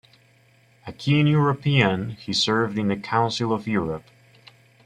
A keen European, he served in the Council of Europe.